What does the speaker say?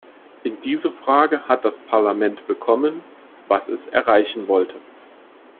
In dieser Frage hat das Parlament bekommen, was es erreichen wollte.